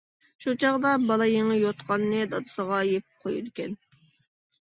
شۇ چاغدا بالا يېڭى يوتقاننى دادىسىغا يېپىپ قويىدىكەن.